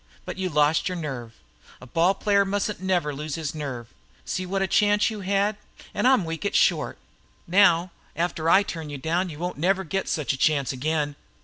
But you lost your nerve. A ball player mustn't never lose his nerve. See what a chance you had? I'm weak at short. Now, after I turn you down you won't never get such a chance again."